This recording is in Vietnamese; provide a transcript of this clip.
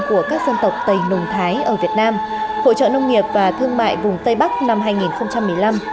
của các dân tộc tây nùng thái ở việt nam hội trợ nông nghiệp và thương mại vùng tây bắc năm hai nghìn một mươi năm